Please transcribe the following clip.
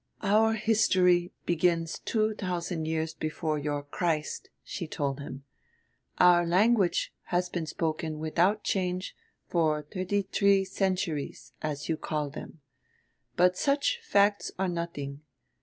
"Our history begins two thousand years before your Christ," she told him; "our language has been spoken without change for thirty three centuries, as you call them. But such facts are nothing.